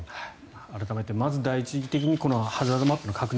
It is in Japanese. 改めてまず第一義的にこのハザードマップの確認